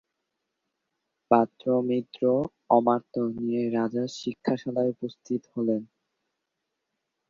পাত্র-মিত্র-অমাত্য নিয়ে রাজা শিক্ষাশালায় উপস্থিত হলেন।